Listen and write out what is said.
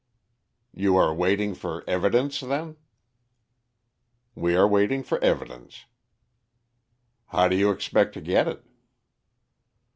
"You are waiting for evidence, then?" "We are waiting for evidence." "How do you expect to get it?"